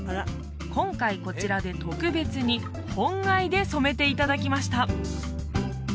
今回こちらで特別に本藍で染めていただきました